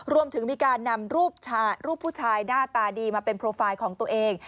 รวมถึงมีการนำรูปผู้ชายหน้าตาดีมาเป็นโปรไฟล์ของตัวเอง